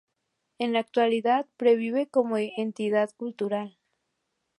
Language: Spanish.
En la actualidad pervive como entidad cultural.